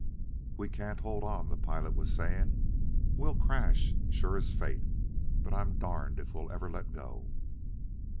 "We can't hold on," the pilot was saying; "We'll crash sure as fate. But I'm darned if we'll ever let go!"